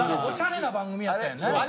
おしゃれな番組やったよね。